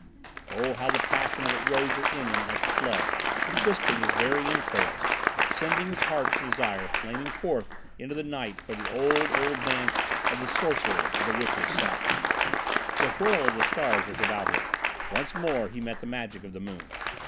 Oh, how the passion of it rose within him like a flood, twisting his very entrails, sending his heart's desire flaming forth into the night for the old, old Dance of the Sorcerers at the Witches' Sabbath! The whirl of the stars was about him; once more he met the magic of the moon.